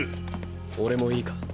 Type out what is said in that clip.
俺もいいか。